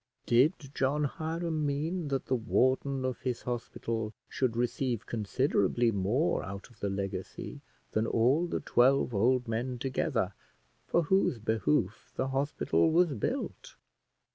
Did John Hiram mean that the warden of his hospital should receive considerably more out of the legacy than all the twelve old men together for whose behoof the hospital was built?